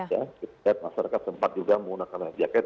ya kita lihat masyarakat sempat juga menggunakan life jacket